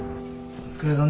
お疲れさん。